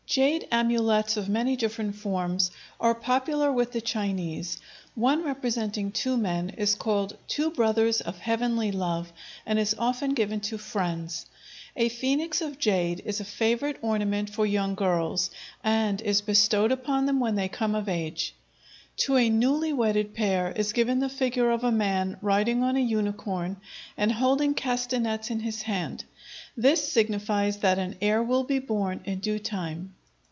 Jade amulets of many different forms are popular with the Chinese. One representing two men is called "Two Brothers of Heavenly Love," and is often given to friends. A phœnix of jade is a favorite ornament for young girls and is bestowed upon them when they come of age. To a newly wedded pair is given the figure of a man riding on a unicorn and holding castanets in his hand; this signifies that an heir will be born in due time.